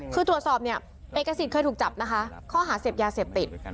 คือตรวจสอบเนี่ยเอกสิทธิ์เคยถูกจับนะคะข้อหาเสพยาเสพติด